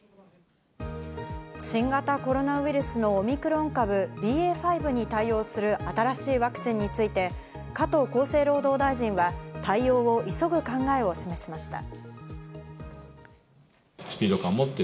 新型コロナウイルスのオミクロン株ＢＡ．５に対応する新しいワクチンについて、加藤厚生労働大臣は対応を急ぐ考えを示しました。